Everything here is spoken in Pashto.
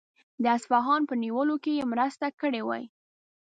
د اصفهان په نیولو کې یې مرسته کړې وای.